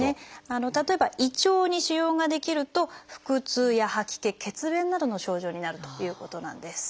例えば胃腸に腫瘍が出来ると腹痛や吐き気血便などの症状になるということなんです。